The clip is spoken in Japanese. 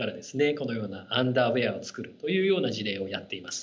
このようなアンダーウエアを作るというような事例をやっています。